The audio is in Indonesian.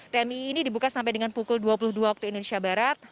tmii ini dibuka sampai dengan pukul dua puluh dua waktu indonesia barat